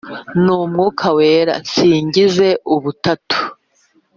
n'umwuka wera , nsingize ubutatu.